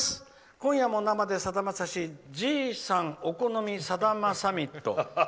「今夜も生でさだまさしＧ３お好みさだまサミット」。